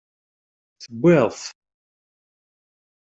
Tewwiḍ-t?